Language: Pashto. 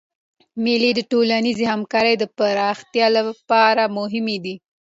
مېلې د ټولنیزي همکارۍ د پراختیا له پاره مهمي دي.